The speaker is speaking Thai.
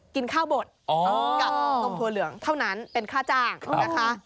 กินข้าวบดกับนมถั่วเหลืองเท่านั้นเป็นค่าจ้างนะคะ